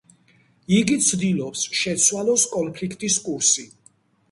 იგი ცდილობს, შეცვალოს კონფლიქტის კურსი.